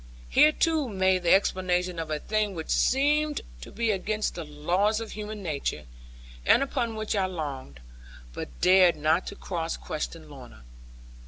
Here too may the explanation of a thing which seemed to be against the laws of human nature, and upon which I longed, but dared not to cross question Lorna.